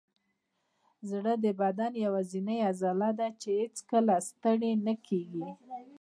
زړه د بدن یوازینی عضله ده چې هیڅکله ستړې نه کېږي.